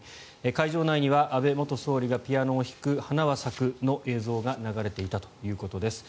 会場内には安倍元総理がピアノを弾く「花は咲く」の映像が流れていたということです。